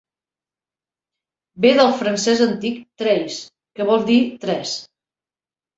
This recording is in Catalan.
Ve del francès antic "treis", que vol dir tres.